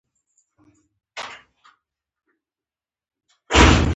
بدرنګه نظر خلک خوښ نه کوي